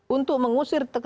untuk mengusir tenaga